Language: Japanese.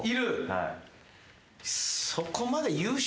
はい。